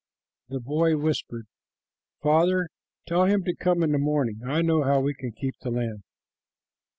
This boy whispered, "Father, tell him to come in the morning. I know how we can keep the land."